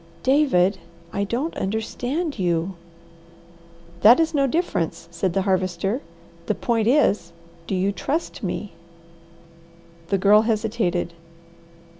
"David, I don t understand you!" "That is no difference," said the Harvester. "The point is, do you TRUST me?" The Girl hesitated.